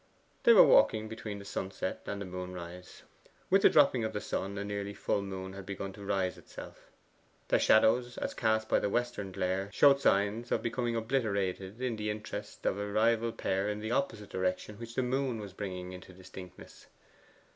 They were walking between the sunset and the moonrise. With the dropping of the sun a nearly full moon had begun to raise itself. Their shadows, as cast by the western glare, showed signs of becoming obliterated in the interest of a rival pair in the opposite direction which the moon was bringing to distinctness.